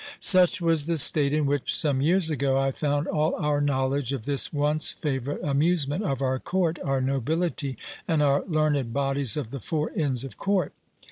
Such was the state in which, some years ago, I found all our knowledge of this once favourite amusement of our court, our nobility, and our learned bodies of the four inns of court.